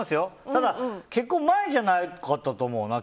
ただ結婚前じゃなかったと思うな。